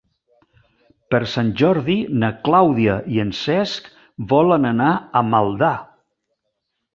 Per Sant Jordi na Clàudia i en Cesc volen anar a Maldà.